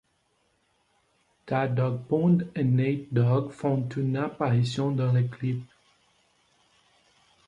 Tha Dogg Pound et Nate Dogg font une apparition dans le clip.